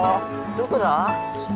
・・どこだ？